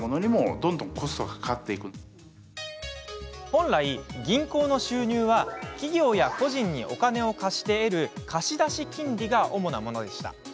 本来、銀行の収入は企業や個人にお金を貸して得る貸出金利が主なものでした。